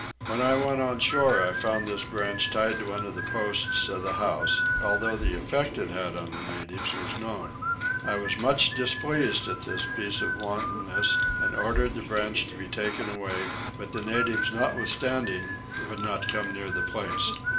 When I went on shore I found this branch tied to one of the posts of the house, although the effect it had on the natives was known. I was much displeased at this piece of wantonness and ordered the branch to be taken away; but the natives notwithstanding would not come near the place.